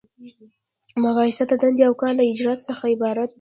مقایسه د دندې او کار له اجرا څخه عبارت ده.